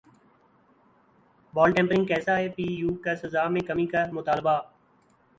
بال tampering کیساے پی یو کا سزا میں کمی کامطالبہ